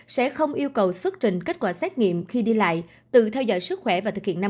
sẽ không yêu cầu xuất trình kết quả sát nghiệm khi đi lại tự theo dõi sức khỏe và thực hiện năm k